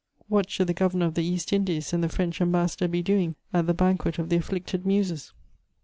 What should the Governor of the East Indies and the French Ambassador be doing at the banquet of the afflicted muses?